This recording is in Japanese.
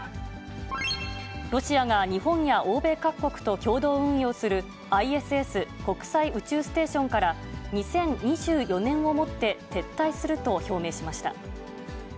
ロシアが日本や欧米各国と共同運用するＩＳＳ・国際宇宙ステーションから、２０２４年をもって撤退すると表明しました。